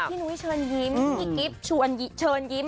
พี่หนุ้ยเชิญยิ้มพี่กิ๊บเชิญยิ้ม